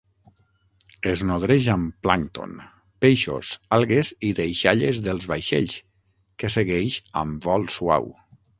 Es nodreix amb plàncton, peixos, algues i deixalles dels vaixells, que segueix amb vol suau.